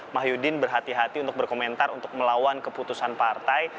mahyudin berhati hati untuk berkomentar untuk melawan keputusan partai